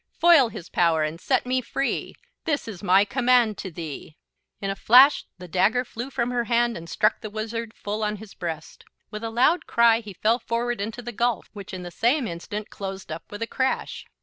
Foil his power and set me free, This is my command to thee!" In a flash the dagger flew from her hand and struck the Wizard full on his breast. With a loud cry he fell forward into the gulf, which in the same instant closed up with a crash.